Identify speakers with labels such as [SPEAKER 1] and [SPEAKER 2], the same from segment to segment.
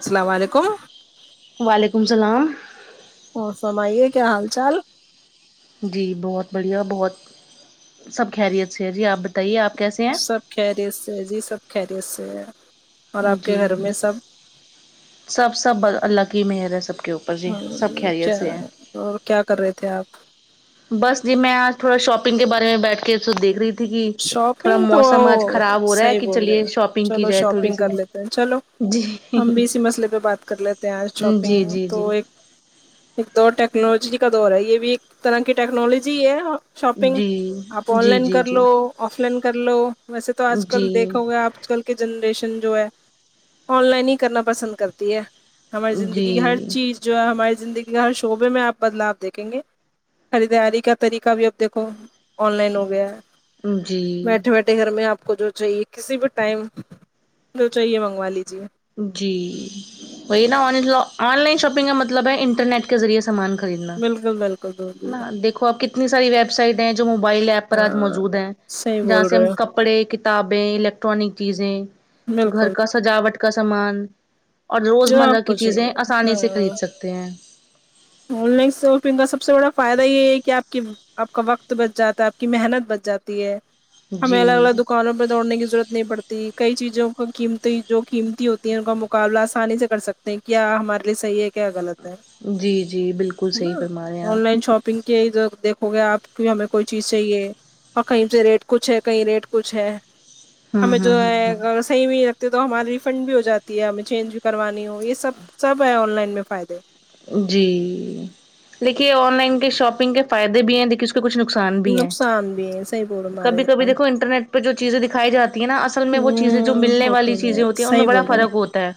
[SPEAKER 1] السلام علیکم
[SPEAKER 2] وعلیکم السلام
[SPEAKER 1] اور فرمایئے کیا حال چال
[SPEAKER 2] جی بہت بڑھیا بہت سب خیریت سے ہے جی آپ بتائیے آپ کیسے ہیں
[SPEAKER 1] سب خیریت سے ہے جی سب خیریت سے ہے اور آپ کے
[SPEAKER 2] جی
[SPEAKER 1] گھر میں سب
[SPEAKER 2] سب سب اللہ کی مہر ہے سب کے اوپر جی سب
[SPEAKER 1] ہاں
[SPEAKER 2] خیریت
[SPEAKER 1] کیا
[SPEAKER 2] سے ہیں
[SPEAKER 1] اور کیا کر رہے تھے آپ
[SPEAKER 2] بس جی میں آج تھوڑا شاپنگ کے بارے میں بیٹھ کے دیکھ رہی تھی کہ تھوڑا
[SPEAKER 1] شاپنگ تو
[SPEAKER 2] موسم آج خراب ہو رہا ہے
[SPEAKER 1] صحیح
[SPEAKER 2] کہ
[SPEAKER 1] بول رہے
[SPEAKER 2] چلیے
[SPEAKER 1] ہیں،
[SPEAKER 2] شاپنگ کی
[SPEAKER 1] چلو
[SPEAKER 2] جائے تو
[SPEAKER 1] شاپنگ کر لیتے ہیں چلو ہم بھی اسی مسئلے پہ بات کر لیتے ہیں آج
[SPEAKER 2] جی جی
[SPEAKER 1] شاپنگ
[SPEAKER 2] جی جی
[SPEAKER 1] تو ایک ایک دور ٹیکنالوجی کا دور ہے یہ بھی ایک طرح کی ٹیکنالوجی ہے شاپنگ
[SPEAKER 2] جی
[SPEAKER 1] آپ آن
[SPEAKER 2] جی
[SPEAKER 1] لائن کر
[SPEAKER 2] جی
[SPEAKER 1] لو آف لائن کر لو ویسے تو آج
[SPEAKER 2] جی
[SPEAKER 1] کل دیکھو گے آپ آج کل کی جنریشن جو ہے آن لائن ہی کرنا پسند کرتی ہے ہماری
[SPEAKER 2] جی
[SPEAKER 1] زندگی کی ہر چیز جو ہے ہماری زندگی کے ہر شعبے میں آپ بدلاؤ دیکھیں گے خریداری کا طریقہ بھی اب دیکھو آن لائن ہو گیا ہے
[SPEAKER 2] جی
[SPEAKER 1] ڈہر میں آپ کو جو چاہیے کسی بھی ٹائم جو چاہیے منگوا لیجیے
[SPEAKER 2] جی وہی نا آ آن لائن شاپنگ کا مطلب ہے انٹرنیٹ کے ذریعے سے سامان خریدنا
[SPEAKER 1] بالکل بالکل
[SPEAKER 2] ن دیکھو آپ کتنی ساری ویب سائٹ ہیں جو موبائل ایپ پر آج
[SPEAKER 1] ہاں
[SPEAKER 2] موجود ہیں
[SPEAKER 1] صحیح
[SPEAKER 2] جہاں
[SPEAKER 1] بول
[SPEAKER 2] سے
[SPEAKER 1] رہے
[SPEAKER 2] ہم
[SPEAKER 1] ہو
[SPEAKER 2] کپڑے کتابیں الیکٹرانک چیزیں گھر
[SPEAKER 1] بالکل
[SPEAKER 2] کا سجاوٹ کا سامان اور
[SPEAKER 1] جو
[SPEAKER 2] روزمرہ
[SPEAKER 1] آپ
[SPEAKER 2] کی
[SPEAKER 1] کو
[SPEAKER 2] چیزیں
[SPEAKER 1] چاہیے
[SPEAKER 2] آسانی
[SPEAKER 1] ہاں
[SPEAKER 2] سے خرید سکتے ہیں
[SPEAKER 1] آن لائن شاپنگ کا سب سے بڑا فائدہ یہ ہے کہ آپ کی آپ کا وقت بچ جاتا ہے آپ کی محنت بچ جاتی ہے ہمیں
[SPEAKER 2] جی
[SPEAKER 1] الگ الگ دکانوں پ دوڑنے کی ضرورت نہیں پڑتی کئی چیزوں کا قیمتی جو قیمتی ہوتی ہے ان کا مقابلہ آسانی سے کر سکتے ہیں کیا ہمارے لیے صحی ہے کیا غلط ہے
[SPEAKER 2] جی جی بالکل
[SPEAKER 1] نا
[SPEAKER 2] صحیح فرما رہے ہیں
[SPEAKER 1] آن
[SPEAKER 2] آپ
[SPEAKER 1] لائن شاپنگ کے ا دیکھو گے آپ کی ہمیں کوئی چیز چاہیے اور کہیں سے ریٹ کچھ ہے کہیں ریٹ کچھ ہے
[SPEAKER 2] ہوں
[SPEAKER 1] ہمیں جو
[SPEAKER 2] ہوں ہوں
[SPEAKER 1] ہے صحیح نہیں رکھتے تو ہماری ریفنڈ بھی ہو جاتی ہے ہمیں چینج بھی کروانی ہو یہ سب سب ہے آن لائن میں فائدے
[SPEAKER 2] جی لیکے آن لائن کے شاپنگ کے فائدے بھی ہیں لیک کچھ نقصان بھی ہے
[SPEAKER 1] نقصان بھی ہے صحیح بول
[SPEAKER 2] کبھی
[SPEAKER 1] مارے
[SPEAKER 2] کبھی
[SPEAKER 1] آپ
[SPEAKER 2] دیکھو انٹرنیٹ پہ جو چیزیں دکھائی جاتی نا اصل میں وہ چیزیں جو
[SPEAKER 1] ہ
[SPEAKER 2] ملنے والی
[SPEAKER 1] ہوتے
[SPEAKER 2] چیزیں ہوتی ہیں ان میں
[SPEAKER 1] صحیح
[SPEAKER 2] بڑا
[SPEAKER 1] بولے
[SPEAKER 2] فرق ہوتا ہے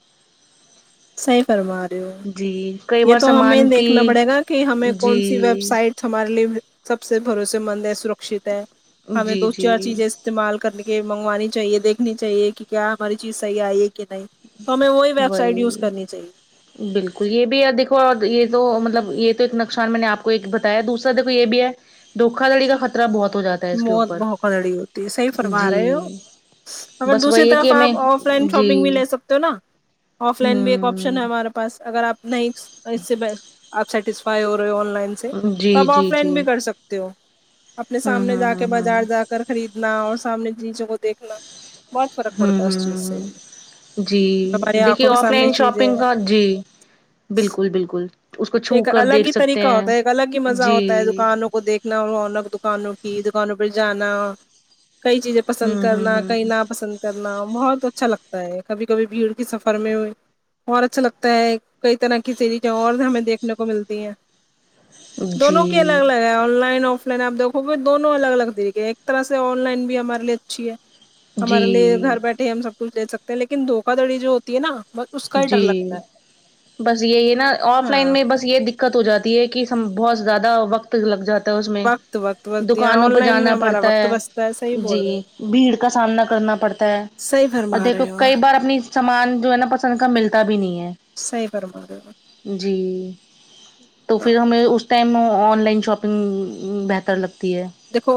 [SPEAKER 1] صحیح فرما رہے ہو
[SPEAKER 2] جی کئی
[SPEAKER 1] یہ
[SPEAKER 2] بار
[SPEAKER 1] تو ہمیں
[SPEAKER 2] سامان کی
[SPEAKER 1] دیکھنا پڑے گا کہ ہمیں کون سی ویب
[SPEAKER 2] جی
[SPEAKER 1] سائٹ ہمارے لیے سب سے بھروسے مند ہے سرکت ہے ہمیں
[SPEAKER 2] جی
[SPEAKER 1] دو چار
[SPEAKER 2] جی
[SPEAKER 1] چیزیں استعمال کرنے کے منگوانی چاہیے دیکھنی چاہیے کہ کیا ہماری چیز صحیح آئے کہ نہیں تو ہمیں وہی ویب سائٹ یوز کرنی چاہیے
[SPEAKER 2] بالکل یہ بھی دیکھو اور یہ تو مطلب یہ تو ایک نقصان میں نے آپ کو ایک ہے دوسرا دیکو یہ بھی ہے دوکا دھڑی کا خطرہ بہت ہو جاتا ہے اس کے
[SPEAKER 1] موت
[SPEAKER 2] اوپر
[SPEAKER 1] بہ خدڑی ہوتی ہے صحیح فرما
[SPEAKER 2] جی
[SPEAKER 1] رہے ہو اگر
[SPEAKER 2] بس
[SPEAKER 1] دوسری
[SPEAKER 2] وہی ہے
[SPEAKER 1] طرف
[SPEAKER 2] کہ ہمیں
[SPEAKER 1] آپ آف لائن
[SPEAKER 2] جی
[SPEAKER 1] شاپنگ بھی لے سکتے تو نا آف لائن بھی ایک آپشن
[SPEAKER 2] ہوں
[SPEAKER 1] ہے ہمارے پاس اگر آپ نہیں اس سے سیٹسفائی ہو رہے ہو آن لائن سے تو
[SPEAKER 2] جی
[SPEAKER 1] آپ
[SPEAKER 2] جی
[SPEAKER 1] آف
[SPEAKER 2] جی
[SPEAKER 1] لائن بھی کر سکتے ہو اپنے
[SPEAKER 2] ہوں
[SPEAKER 1] سامنے
[SPEAKER 2] ہوں
[SPEAKER 1] جا کے
[SPEAKER 2] ہوں ہوں ہوں
[SPEAKER 1] بازار جا کر خریدنا اور سامنے نیچوں کو دیکھنا بہت فرق
[SPEAKER 2] ہوں
[SPEAKER 1] پڑتا ہے اس چیز
[SPEAKER 2] ہوں
[SPEAKER 1] سے
[SPEAKER 2] ہ ہ جی
[SPEAKER 1] ہماری
[SPEAKER 2] دیکھیے
[SPEAKER 1] آنکھوں کے
[SPEAKER 2] آف
[SPEAKER 1] سامنے
[SPEAKER 2] لائن
[SPEAKER 1] چیزیں
[SPEAKER 2] شاپنگ
[SPEAKER 1] ہیں
[SPEAKER 2] کا جی بالکل بالکل اس کو چھو
[SPEAKER 1] ایک
[SPEAKER 2] کر
[SPEAKER 1] الگ
[SPEAKER 2] دیکھ
[SPEAKER 1] ہی
[SPEAKER 2] سکتے
[SPEAKER 1] طریقہ
[SPEAKER 2] ہیں
[SPEAKER 1] ہوتا ہے ایک الگ ہی مزہ ہوتا ہے
[SPEAKER 2] جی
[SPEAKER 1] دکانوں کو دیکھ دنا اور آل دکانوں کی دکانوں جانا کئی چیزیں پسند
[SPEAKER 2] ہوں ہوں
[SPEAKER 1] کرنا کیں نا پسند کرنا بہت اچھا لگتا ہے کبھی کبھی بھیڑ کی سفر میں اورہ اچھا لگتا ہے کئی طرح کی سیریز اور ہمیں دیکھ دنے کو ملتی ہے
[SPEAKER 2] ہوں
[SPEAKER 1] دونوں کی
[SPEAKER 2] جی
[SPEAKER 1] الگ الگ ہے آن لائن آف لائن آپ دونوں الگ الگ طریقے ایک طرح سے آن لائن بھی ہمارے لیے اچھی ہے ہمارے لیے
[SPEAKER 2] جی
[SPEAKER 1] گھر بیٹھے ہم سب کچھ لے سکتے ہیں لیکن دوکا دڑی جو ہوتی ہے نا بس اس کا ہی ڈر
[SPEAKER 2] جی
[SPEAKER 1] لگتا ہے
[SPEAKER 2] بس یہ ہی نا آف
[SPEAKER 1] ہاں
[SPEAKER 2] لائن میں بس یہ دقت ہو جاتی ہے کہ بہت زیادہ وقت لگ جاتا اس میں
[SPEAKER 1] وقت وقت وقت یہاں
[SPEAKER 2] دکانوں
[SPEAKER 1] آن
[SPEAKER 2] پر
[SPEAKER 1] لائن میں
[SPEAKER 2] جانا
[SPEAKER 1] ہمارا
[SPEAKER 2] پڑتا
[SPEAKER 1] وقت
[SPEAKER 2] ہے
[SPEAKER 1] بچتا صحیح بول
[SPEAKER 2] جی
[SPEAKER 1] رہے ہو
[SPEAKER 2] بھیڑ کا سامنا کرنا پڑتا ہے
[SPEAKER 1] صحیح
[SPEAKER 2] اور
[SPEAKER 1] فرما
[SPEAKER 2] دیکھو
[SPEAKER 1] رہے ہو
[SPEAKER 2] کئی بار اپنی سامان جو ہے نا پسند کا ملتا بھی نہیں
[SPEAKER 1] صحیح فرما رہے ہو
[SPEAKER 2] ہے جی تو پھر ہم اس ٹائم آن لائن شاپنگ بہتر لگتی ہے
[SPEAKER 1] دیکو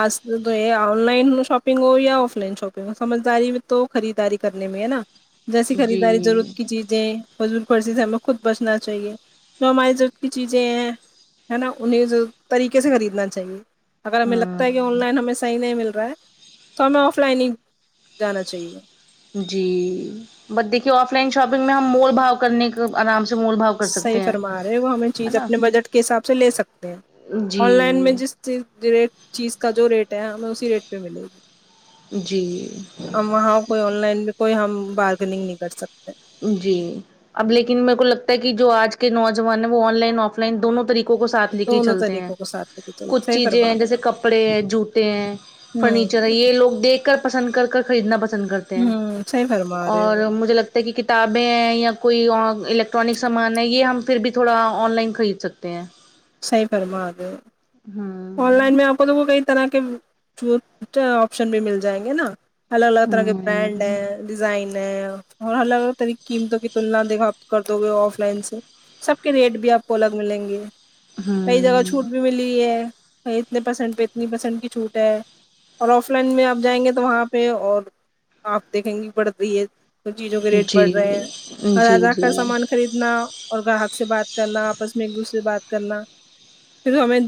[SPEAKER 1] آج یہ آن لائن شاپنگ ہو یا آف لائن شاپنگ ہو سمجھداری میں تو خریداری کرنے میں ہے نا جیسی
[SPEAKER 2] جی
[SPEAKER 1] خریداری ضرورت کی چیزیں فضول فارسی سے ہمیں خود بچنا چاہیے جو ہماری ضرورت کی چیزیں ہیں ہے نا انہیں طریقے سے خریدنا چاہیے اگر ہمیں لگتا
[SPEAKER 2] ہاں
[SPEAKER 1] ہے کہ آن لائن ہمیں صحیح نہیں مل رہا ہے تو ہمیں آف لائن ہی جانا چاہیے
[SPEAKER 2] جی بٹ دیکھیے آف لائن شاپنگ میں ہم مول بھاو کرنے کا آرام سے مول بھاؤ کر
[SPEAKER 1] صحیح
[SPEAKER 2] سکتے ہیں
[SPEAKER 1] فرما رہے وہ ہمیں
[SPEAKER 2] ہے
[SPEAKER 1] چیز
[SPEAKER 2] نا
[SPEAKER 1] اپنے بجٹ کے حساب سے لے سکتے ہیں آن
[SPEAKER 2] جی
[SPEAKER 1] لائن میں جس چیز ریٹ چیز کا جو ریٹ ہے ہمیں اسی ریٹ پہ ملے گی
[SPEAKER 2] جی
[SPEAKER 1] ہم وہاں کوئی آن لائن بھی کوئی ہم بارگنگ نہیں کر سکتے
[SPEAKER 2] جی اب لیکن میر کو لگتا ہے کہ جو آج کے نوجوان ہیں وہ آن لائن آف لائن دونوں طریقے کو ساتھ لے کے ہی
[SPEAKER 1] دونوں
[SPEAKER 2] چلتے ہیں
[SPEAKER 1] طریقوں کو ساتھ لے کے چلتے
[SPEAKER 2] کچھ
[SPEAKER 1] صحیح
[SPEAKER 2] چیزیں
[SPEAKER 1] فرما
[SPEAKER 2] ہیں
[SPEAKER 1] رہے
[SPEAKER 2] جیسے
[SPEAKER 1] ہو
[SPEAKER 2] کپڑے ہیں جوتے ہیں فرنیچر ہے
[SPEAKER 1] ہ
[SPEAKER 2] یہ لوگ دیکھ کر پسند کر کر خریدنا پسند کرتے ہے
[SPEAKER 1] ہ صحیح فرما رہے
[SPEAKER 2] اور
[SPEAKER 1] ہو
[SPEAKER 2] مجھے کی کتابیں ہیں یا کوئی الیکٹرانک سامان ہے یہ ہم پھر بھی تھوڑا آن لائن خرید سکتے ہیں
[SPEAKER 1] سئی فرما رہے ہو آن
[SPEAKER 2] ہوں
[SPEAKER 1] لائن میں آپ کو تو کئی طرح کے جو آپشن بھی مل جائیں گے نا الگ الگ طرح کے
[SPEAKER 2] ہوں
[SPEAKER 1] بینڈ ہے ڈیزائن ہے اور الگ الگ طریق کی قیمتوں کی تلنا دیکھا کرتے ہو گئے آف لائن سے سب کے ریٹ بھی آپ کو الگ ملیں گے کئی
[SPEAKER 2] ہوں
[SPEAKER 1] جگہ چھوٹ بھی ملی ہے اتنے پرسینٹ پہ اتنی پرسینٹ کی چھوٹ ہے اور آف لائن میں آپ جائیں گے تو وہاں پہ اور آپ دیکھیں گے بڑ رہی ہے ک چیزوں کے
[SPEAKER 2] جی
[SPEAKER 1] ریٹ بڑھ رہے ہیں
[SPEAKER 2] جی
[SPEAKER 1] اوردا کا
[SPEAKER 2] جی
[SPEAKER 1] سامان خریدنا اور گراہک سے بات کرنا آپس میں ایک دوسرے سے بات کرنا پھر ہمیں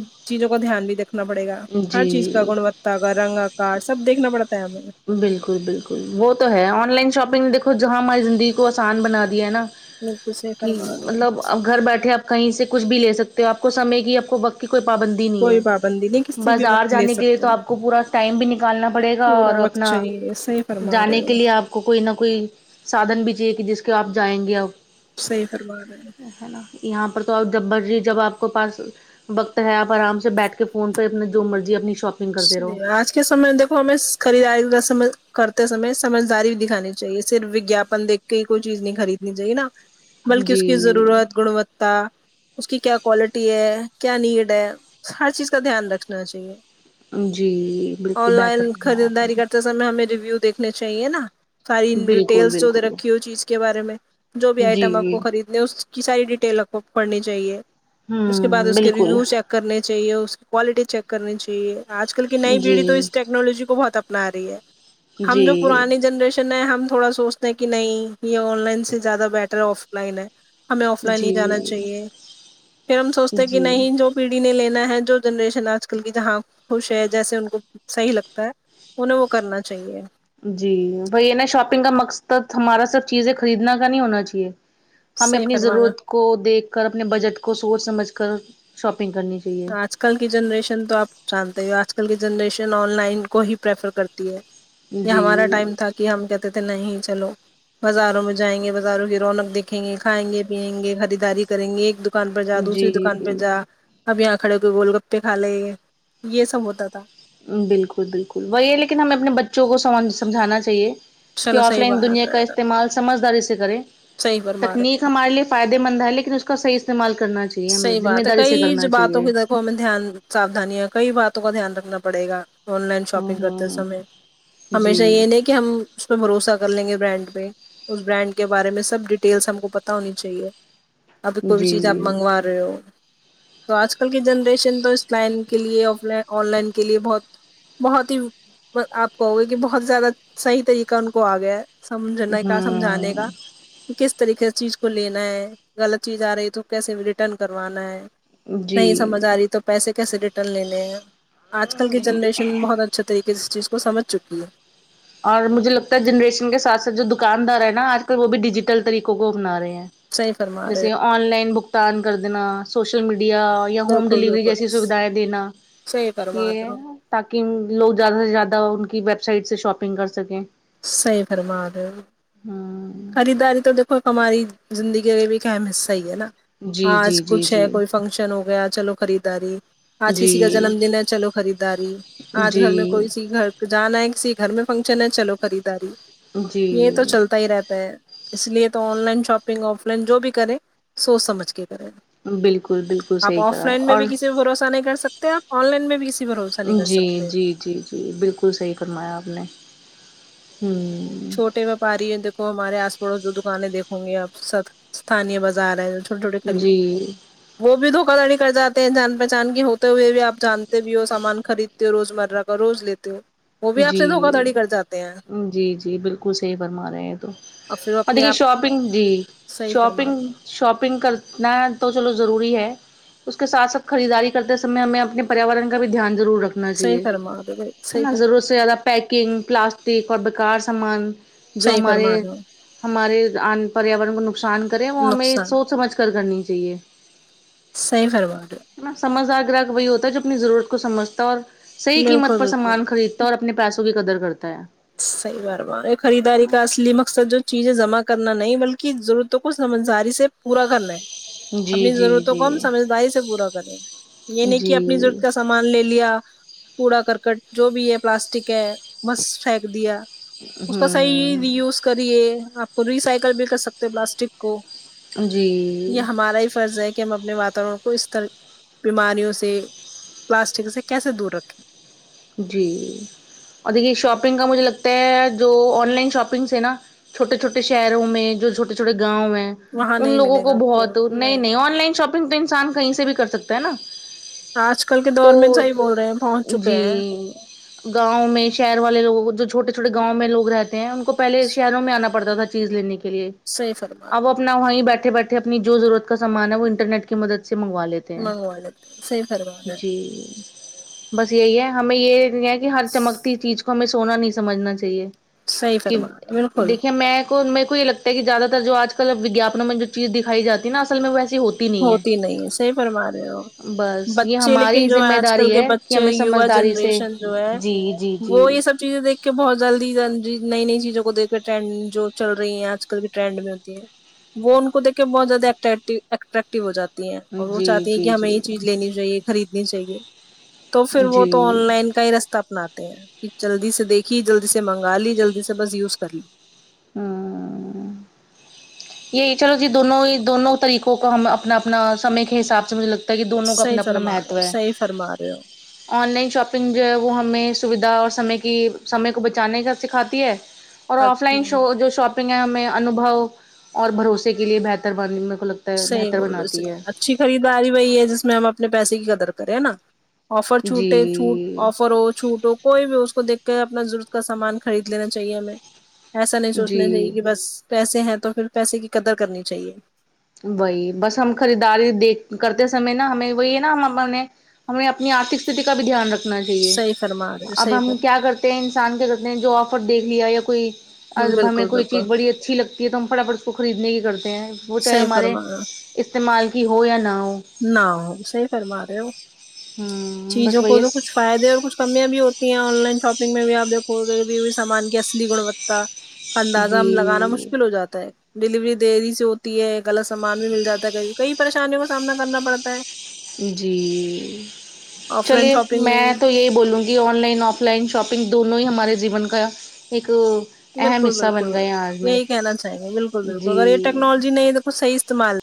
[SPEAKER 1] کو دھیان بھی دیکھنا پڑے گا ہر چیز کا
[SPEAKER 2] جی
[SPEAKER 1] گنوتا کا رنگ آکار سب دیکھنا پڑتا ہے ہمیں
[SPEAKER 2] بالکل بالکل وہ تو ہے آن لائن شاپنگ دیکھو جہاں ہماری زندگی کو آسان بنا دیا ہے نا
[SPEAKER 1] بالکل صحیح
[SPEAKER 2] کہ
[SPEAKER 1] فرما رہے ہو
[SPEAKER 2] مطلب اب گھر بیٹھے آپ کہیں سے کچھ بھی لے سکتے ہو آپ کو سمے کی آپ کو وقت کی کوئی پابندی نہیں
[SPEAKER 1] کوئی پابندی نہیں
[SPEAKER 2] ہے
[SPEAKER 1] کسی بھی
[SPEAKER 2] بازار
[SPEAKER 1] وقت لے
[SPEAKER 2] جانے کے لیے
[SPEAKER 1] سکتے
[SPEAKER 2] تو
[SPEAKER 1] ہو
[SPEAKER 2] آپ کو پورا ٹائم بھی نکالنا پڑے گا اور آپ
[SPEAKER 1] چلیے ساہی فرمارہے ہو
[SPEAKER 2] آپ کو کوئی نہ کوئی سادھن بھی چاہیے کہ جس کے آپ جائیں گے اپ
[SPEAKER 1] صحیح فرما رہے ہو
[SPEAKER 2] ہے نا یہاں پر تو آپ جب مرضی جب آپ کو پاس وقت ہے آپ آرام سے بیٹھ کے فون پے جو مرضی اپنی شاپ
[SPEAKER 1] صحیح ہے آج کے سمے میں دیکھو ہمیں خریداری ویسے مے کرتے سمے سمجھداری بھی دکھانی چاہیے صرف وجیااپن دیکھ کے ہی کوئی چیز نہیں خریدنی چاہیے نا بلکہ اس کی
[SPEAKER 2] جی
[SPEAKER 1] ضرورت گنوتا اس کی کیا کوالٹی ہے کیا نیڈ ہے ہر چیز کا دھیان رکھنا چاہیے
[SPEAKER 2] جی بالکل
[SPEAKER 1] آن لائن
[SPEAKER 2] بہتر فرمایا آپ
[SPEAKER 1] خریداری
[SPEAKER 2] نے
[SPEAKER 1] کرتے سمے ہمیں ریویو دیکھنے چاہیے نا ساری
[SPEAKER 2] بالکل
[SPEAKER 1] ڈیٹیلس جو دے
[SPEAKER 2] بالکل
[SPEAKER 1] رکھی ہو چیز کے بارے میں جو بھی آئٹم آپ
[SPEAKER 2] جی
[SPEAKER 1] کو خریدنے ہے اس کی ساری ڈیٹیل آپ کو پڑھنی چاہیے اس کے بد
[SPEAKER 2] ہوں
[SPEAKER 1] اس کے
[SPEAKER 2] بالکل
[SPEAKER 1] ریویو چیک کرنی چاہیے اور اس کی کوالٹی چیک کرنی چاہیے آج کل کی نئی
[SPEAKER 2] جی
[SPEAKER 1] بیڑی تو اس ٹنالوجی کو بہت اپنا رہی ہے ہم جو
[SPEAKER 2] جی
[SPEAKER 1] پرانی جنریشن ہم تھوڑا سوچتے ہیں کہ نہیں یہ آن لائن سے زیادہ بیٹر ہے آف لائن ہے ہمیں آف لائن ہی جانا
[SPEAKER 2] جی
[SPEAKER 1] چاہیے پھر ہم سوچتے کہ
[SPEAKER 2] جی
[SPEAKER 1] نہیں جو پیڑھی نے لینا ہے جو جنریشن آج کل کی جہاں خوش ہے جیسے ان کو صحیح لگتا ہے انہیں وہ کرنا چاہیے
[SPEAKER 2] جی بھی نا شاپنگ کا مقصد ہمارا سب چیزیں خریدنا کا نہیں ہونا چاہیے ہمیں
[SPEAKER 1] صحیح
[SPEAKER 2] اپنی
[SPEAKER 1] فرمانا
[SPEAKER 2] ضرورت کو دیکھ کر اپنے بجٹ کو سوچ سمجھ کر شاپنگ کرنی چاہیے
[SPEAKER 1] آج کل کی جنریشن تو آپ جانتے ہی ہو آج کل کی جنریشن آن لائن کو ہی پریفر کرتی ہے یہ ہمارا
[SPEAKER 2] جی
[SPEAKER 1] ٹائم تھا کہ ہم کہتے تھے نہیں چلو بازاروں میں جائیں گے بازاروں کی رونق دیکھیں گے کھائیں گے پیئیں گے خریداری کریں گے ایک دکان پہ جا دوسری دکان پہ
[SPEAKER 2] جی
[SPEAKER 1] جا اب یہاں کھڑے کو گول گپے کھا لے یہ سب ہوتا تھا
[SPEAKER 2] بالکل بالکل وہی ہے لیکن ہمیں اپنے بچوں کوم سمجھانا چاہیے کہ
[SPEAKER 1] چلو
[SPEAKER 2] آف
[SPEAKER 1] صحیح
[SPEAKER 2] لائن
[SPEAKER 1] بات
[SPEAKER 2] دنیا
[SPEAKER 1] ہے
[SPEAKER 2] کا استعمال سمجھداری سے کریں
[SPEAKER 1] صحیح فرما رہے
[SPEAKER 2] تکنیک ہمارے لیے فائدے مند ہے لیکن اس کاح استعمال کرنا چاہیے ہمیں
[SPEAKER 1] صحی
[SPEAKER 2] ذمہ
[SPEAKER 1] بات ہے
[SPEAKER 2] داری سے
[SPEAKER 1] کئی جو
[SPEAKER 2] کرنا
[SPEAKER 1] باتوں
[SPEAKER 2] چاہیے
[SPEAKER 1] کی ادھر ہم دھیان ساھان کئی باتوں کا دھیان رکھنا پڑے گا آن لائن
[SPEAKER 2] ہاں
[SPEAKER 1] شاپنگ کرتے س
[SPEAKER 2] ہاں
[SPEAKER 1] میں
[SPEAKER 2] جی
[SPEAKER 1] ہمیشہ یہ نہیں کہ کہ ہم اس پہ بھروسہ کر لیں گے برانڈ پہ اس برانڈ کے بارے میں سب ڈیٹیلس ہم کو پت ہونی چاہیے ابھی کوئی بھی
[SPEAKER 2] جی
[SPEAKER 1] چیز آپ منگا رہے تے ہو تو آج کل کی جنریشن تو اس لائن کے لیے اف لائن آن لائن کے لیے بہت بہت ہی آپ کہ گے کہ بہت زیادہ صحیح طریقہ ان کو آگیا ہے سمجھنا کا
[SPEAKER 2] ہاں
[SPEAKER 1] سمجھانے کا کس طریقے سے چیز کو لینا ہے غلط چیز آ رہی ہے تو کیسے ریٹرن کروانا ہے
[SPEAKER 2] جی
[SPEAKER 1] نہیں سمجھ آ رہی تو پیسے کیسے ریٹرن لینے ہیں آج کل کی جنریشن بہت اچا اچھے طریق سے اس چیز کو سمجھ چکی ہے
[SPEAKER 2] اور مجھے لگتا ہے جنریشن کے ساتھ سھ جو دکاندار ہے نا آج کل وہ بھی ڈیجیٹل طریقوں کو اپنا رہے ہیں
[SPEAKER 1] صحیح فرما رہے
[SPEAKER 2] جیسے آن لائن بھگتان کر دینا سوشل میڈیا یا ہوم
[SPEAKER 1] بالکل
[SPEAKER 2] ڈلیوری
[SPEAKER 1] بالکل
[SPEAKER 2] جیسی سویدھائیں دینا یہ
[SPEAKER 1] [unintelligible]
[SPEAKER 2] تاکہ لوگ زیادہ سے زیادہ ان کی ویب سائٹ سے شاپنگ کر سکیں
[SPEAKER 1] صحیح فرما رہے ہو
[SPEAKER 2] ہ
[SPEAKER 1] خریداری تو دیکھو ہماری زندگی کا بھی ایک اہم حصہ ہی ہے نا
[SPEAKER 2] جی
[SPEAKER 1] آج
[SPEAKER 2] جی جی
[SPEAKER 1] کچھ ہے
[SPEAKER 2] جی
[SPEAKER 1] کوئی فنکشن ہو گیا چلو خریداری آج کسی کا
[SPEAKER 2] جی
[SPEAKER 1] جنم دن ہے چلو خریداری آج گھر میں
[SPEAKER 2] جی
[SPEAKER 1] کوئی سی گھر جانا ہے کسی گھر میں فنکشن ہے چلو خریداری یہ تو
[SPEAKER 2] جی
[SPEAKER 1] چلتا ہی رہتا اس لیے تو online shopping offline جو بھی کریں سوچ سمجھ کے کریں
[SPEAKER 2] بالکل بالکل
[SPEAKER 1] آپ
[SPEAKER 2] صحیح
[SPEAKER 1] آف
[SPEAKER 2] کرا ہے
[SPEAKER 1] لائن میں
[SPEAKER 2] اور
[SPEAKER 1] بھی کسی پے بھروسہ نہیں کر سکتے آپ آن لائن میں بھی کسی بھروسہ نہیں کر
[SPEAKER 2] جی
[SPEAKER 1] سکتے
[SPEAKER 2] جی جی جی بالکل صحیح فرمایا آپ نے ہمم
[SPEAKER 1] چھوٹے ویاپاری ہے دیکو ہمارے آس پڑوس جو دکانیں دیکھو گے آپ سب استانییہ بازار ہے چھوٹے چھوٹے خری
[SPEAKER 2] جی
[SPEAKER 1] وہ بھی دھوکا دڑی کر جاتے ہیں جان پہچان کی ہوتے ہوئے بھی آپ جان بھی ہو سامان خریدتے ہو روزمرہ کا روز لیتے ہو وہ بھی آپ
[SPEAKER 2] جی
[SPEAKER 1] سے دھوکا دھڑی کر جاتے ہیں
[SPEAKER 2] جی جی بالکل صحیح فرما رہے ہیں تو
[SPEAKER 1] پھر وہ
[SPEAKER 2] اور د
[SPEAKER 1] اپنے
[SPEAKER 2] کی
[SPEAKER 1] آپ
[SPEAKER 2] شاپنگ جی
[SPEAKER 1] صحیح فرما
[SPEAKER 2] شاپنگ شاپنگ کرنا تو چلو ضروری ہے اس کے سھ سھ خریداری کرتےمے ہمیں اپنے پیاوررن کا بھی دھیان ضرور رکھ ہونا
[SPEAKER 1] صحیح
[SPEAKER 2] چاہیے
[SPEAKER 1] فرما دو بھائی صحیح
[SPEAKER 2] ن
[SPEAKER 1] فرما
[SPEAKER 2] ضرورت سب سے زیادہ پیکنگ پلاسٹک اور بکار سامان جو
[SPEAKER 1] صحیح
[SPEAKER 2] ہمارے
[SPEAKER 1] فرما دو
[SPEAKER 2] ہمارے آ پریاورن کو نقصان کریں وہ ہمیں
[SPEAKER 1] نقصان
[SPEAKER 2] سوچ سمجھ کر کرنی چاہیے
[SPEAKER 1] صحیح فرما رہے ہو
[SPEAKER 2] ا سمجھدار گراہک وہی ہوتا ہے جو اپنی ضرورت کو سمجھتا ہے اور صحیح قیمت
[SPEAKER 1] بالکل
[SPEAKER 2] پر
[SPEAKER 1] بالکل
[SPEAKER 2] سامان خریدتا اور اپنے پیسوں کی قدر کرتا ہے
[SPEAKER 1] صحیح بار بار خریداری کا اصلی مقصد جو چیزیں جمع کرنا نہیں بلکہ ضرورتوں کو سمجھاری سے پورا کرنا ہے
[SPEAKER 2] جی
[SPEAKER 1] اپنی
[SPEAKER 2] جی
[SPEAKER 1] ضرورتوں کو ہم
[SPEAKER 2] جی
[SPEAKER 1] سمجھداری سے پورا کریں یہ نہیں کہ اپنی ضرورت
[SPEAKER 2] جی
[SPEAKER 1] کا سم سامان لے لیا کوڑا کرکٹ جو بھی ہے پلاسٹک ہے بس پھینک دیا اس کا صحیح
[SPEAKER 2] ہوں
[SPEAKER 1] ری یوز کری یہ
[SPEAKER 2] جی
[SPEAKER 1] ہمارا ہی فرض ہے کہ ہم اپنے واتورن کو اس طرح بیماریوں سے پلاسٹک سے کیسے دور رکھیں
[SPEAKER 2] جی اور دیکھیے شاپنگ کا مجھے لگتا ہے جو آن لائن شاپنگ سے نا چھوٹے چھوٹے شہروں میں جو چھوٹے چھوٹے گاؤں ہیں
[SPEAKER 1] وہاں
[SPEAKER 2] ان
[SPEAKER 1] نہیں
[SPEAKER 2] لوگوں
[SPEAKER 1] ملے
[SPEAKER 2] کو
[SPEAKER 1] گا آپ
[SPEAKER 2] بہت نہیں نہیں آن لائن شاپنگ تو انسان کہیں سے بھی کر سکتا ہے نا
[SPEAKER 1] آج کل کے
[SPEAKER 2] تو
[SPEAKER 1] دور میں صحیح بول رہے ہیں پہنچ چکے ہیں
[SPEAKER 2] جی گاؤں میں شہر والے لوگوں جو چھوٹے چھوٹے گاؤں میں لوگ رہتے ہیں ان کو پہلے شہروں میں آنا پڑتا تھا چیز لینے کے لیے
[SPEAKER 1] صحیح فرما
[SPEAKER 2] اب وہ
[SPEAKER 1] رہے ہیں
[SPEAKER 2] اپنا وہیں بیٹھے بیٹھے اپنی جو ضرورت کا سامان ہے وہ انٹرنیٹ کی مدد سے منگا لیتے
[SPEAKER 1] منگوا لیتے ہیں صحیح فرما رہے ہیں
[SPEAKER 2] جی بس یہی ہے ہمیں یہ نہیں ہے کہ ہر چمکتی چیز کو ہمیں سونا نہیں سمجھنا چاہیے
[SPEAKER 1] صحیح
[SPEAKER 2] کہ
[SPEAKER 1] فرما رہے ہیں، بالکل
[SPEAKER 2] دیکھے میں میرے کو یہ لگتا ہے کہ زیادہ تر جو آج کل ویگیگپانوں میں جو چیز دکھائی جاتی نا اصل میں ویسی ہوتی نہیں ہے
[SPEAKER 1] ہوتی نہیں صحیح فرما رہے ہو
[SPEAKER 2] بس یہ
[SPEAKER 1] بچے لیکن
[SPEAKER 2] ہماری
[SPEAKER 1] جو ہے
[SPEAKER 2] ذمہ
[SPEAKER 1] آج کل
[SPEAKER 2] داری
[SPEAKER 1] کے
[SPEAKER 2] ہے کہ
[SPEAKER 1] بچ
[SPEAKER 2] ہمیں
[SPEAKER 1] یوا
[SPEAKER 2] سمجھداری سے
[SPEAKER 1] جنریشن جو ہے
[SPEAKER 2] جی جی جی
[SPEAKER 1] وہ یہ سب سب چیزیں دھ کے بہت جلدی نئی نئی چیزوں کو دیکھ کے ٹرینڈ جو چل رہی ہیں آج کل کی ٹرینڈ میں ہوتی ہے وہ ان کو دیکھ کے بہت زیادہ اٹریکٹو اٹریکٹو ہو جاتی ہے اور وہ
[SPEAKER 2] جی
[SPEAKER 1] چاہتی ہیں کہ
[SPEAKER 2] جی
[SPEAKER 1] ہمیں
[SPEAKER 2] جی
[SPEAKER 1] یہ چیز لینی چاہیے خریدنی چاہیے تو پھر وہ تو آن
[SPEAKER 2] جی
[SPEAKER 1] لائن کا ہی رستہ اپناتے ہیں کہ جلدی سے دیکھیے جلدی سے منگا لی جلدی سے بس یوز کر لی
[SPEAKER 2] ہوں یہی چلو جی دونوں ہی دونوں طریقوں کا ہم اپنا اپنا سمے کے حساب سے مجھے لگ تاکہ دونوں کا
[SPEAKER 1] صحیح
[SPEAKER 2] اپنا اپنا
[SPEAKER 1] فرما رہے
[SPEAKER 2] مہتو
[SPEAKER 1] ہو
[SPEAKER 2] ہے
[SPEAKER 1] صحیح فرما رہے ہو
[SPEAKER 2] آن لائن شاپنگ جو ہے وہ ہمیں سویدھا اور سمے کی سمے کو بچانے کا سکھاتی ہے ہ اور آف لائن شو جو شاپنگ ہے ہمیں انوبو اور بھروسے کے لیے بہتر بننے کو لگ
[SPEAKER 1] صحیح
[SPEAKER 2] بہتر
[SPEAKER 1] بول رہے
[SPEAKER 2] بناتی
[SPEAKER 1] صحیح
[SPEAKER 2] ہے
[SPEAKER 1] اچھی خریداری وہی ہے جس میں ہم اپنے پیسے کی قدر کریں نا آفر چھوٹ ہے چوٹ
[SPEAKER 2] جی
[SPEAKER 1] آفر ہو چھوٹ ہو کوئی بھی اس کو دیکھ کے اپنا ضرورت کا سامان خرید لینا چاہیے ہمیں ایسا نہیں سوچنا چاہیے
[SPEAKER 2] جی
[SPEAKER 1] کہ بس پیسے ہیں تو پھر پیسے کی قدر کرنی چاہیے
[SPEAKER 2] وہی بس ہم خریداری دیکھ کرتے سمے نا ہمیں وہی ہے نا ہم اپنے ہمیں اپنی آرتھک ستتی کا بھی دھیان رکھنا چاہیے
[SPEAKER 1] صحیح فرما رہے ہو
[SPEAKER 2] اب
[SPEAKER 1] صحیح
[SPEAKER 2] ہم کیا
[SPEAKER 1] فرما
[SPEAKER 2] کرتے انسان کیا کہتے ہیں جو آفر دیکھ لیا یا کوئی اب ہمیں
[SPEAKER 1] بالکل
[SPEAKER 2] کوئی
[SPEAKER 1] بالکل
[SPEAKER 2] چیز بڑی اچھی لگ تو ہم پھٹافٹ اس کو خریدنے کی کرتے ہیں وہ چاہے
[SPEAKER 1] صحیح
[SPEAKER 2] ہمارے
[SPEAKER 1] فرما رہے
[SPEAKER 2] استعمال کی ہو یا نہ ہو
[SPEAKER 1] نہ ہو صحیح فرما رہے ہو
[SPEAKER 2] ہوں
[SPEAKER 1] چیزوں
[SPEAKER 2] بس وہی
[SPEAKER 1] کو
[SPEAKER 2] ہے
[SPEAKER 1] تو کچھ فائدے اور کچھ کمیاں بھی ہوتی ہیں آن لائن شاپنگ میں بھی آپ دیکھو گئی بھی ہوئی سامان کی اصلی گنوتا اندازہ ہم لگانا
[SPEAKER 2] جی
[SPEAKER 1] مشکل ہو جاتا ہے ڈیلیوری دیری سے ہو ہے غلط سامان بھی مل جاتا ہے کئی پریشانیوں کا سامنا کرنا پڑتا ہے
[SPEAKER 2] جی
[SPEAKER 1] آف لائن
[SPEAKER 2] چلیے
[SPEAKER 1] شاپنگ بھی
[SPEAKER 2] میں تو یہی بولوں گی online offline shopping دونوں ہی ہمارے جیون کا ایک
[SPEAKER 1] بالکل
[SPEAKER 2] حصہ
[SPEAKER 1] بالکل
[SPEAKER 2] بن گئے ہیں آج میں
[SPEAKER 1] یہی کہنا چاہیں گ بالکل بالکل اگر یہ
[SPEAKER 2] جی
[SPEAKER 1] ٹیکنالوجی نہیں ہے د کو صح استعمال